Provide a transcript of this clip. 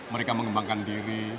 mereka mengembangkan diri